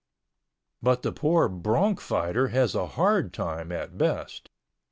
But the poor bronc fighter has a hard time at best.